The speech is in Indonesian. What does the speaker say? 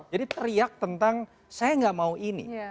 jadi teriak tentang saya gak mau ini